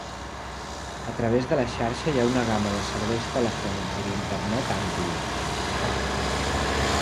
A través de la xarxa hi ha una gama de serveis telefònics i d'Internet àmplia.